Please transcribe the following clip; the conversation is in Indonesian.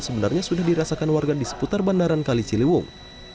sebenarnya sudah dirasakan warga di seputar bantaran kali ciliwung